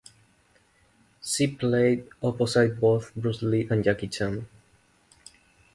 She played opposite both Bruce Lee and Jackie Chan.